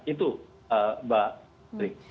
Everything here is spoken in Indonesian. itu mbak frik